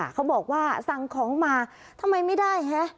เขาบอกว่าสั่งของมาทำไมไม่ได้ฮะ